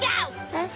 えっ？